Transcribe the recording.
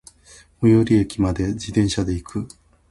最寄駅まで、自転車で行く。